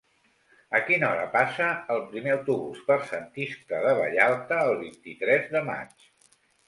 A quina hora passa el primer autobús per Sant Iscle de Vallalta el vint-i-tres de maig?